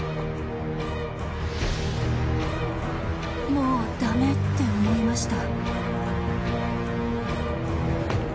［もう駄目って思いました］